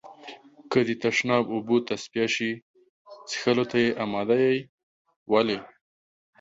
که د تشناب اوبه تصفيه شي، څښلو ته يې آماده يئ؟ ولې؟